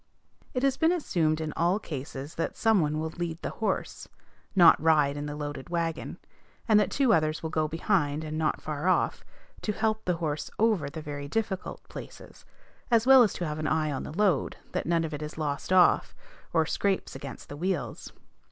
It has been assumed in all cases that some one will lead the horse, not ride in the loaded wagon, and that two others will go behind and not far off, to help the horse over the very difficult places, as well as to have an eye on the load, that none of it is lost off, or scrapes against the wheels.